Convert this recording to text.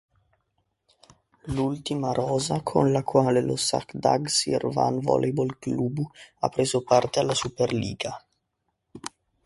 L'ultima rosa con la quale lo Şahdağ-Şirvan Voleybol Klubu ha preso parte alla Superliqa.